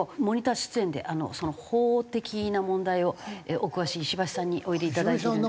モニター出演でその法的な問題をお詳しい石橋さんにおいでいただいて。